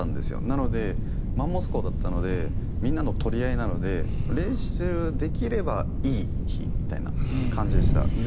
なので、マンモス校だったのでみんなで取り合いなので練習できればいい日みたいな感じでした。